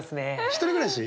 １人暮らし？